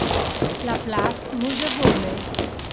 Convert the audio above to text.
La Place, Mouge e Volney.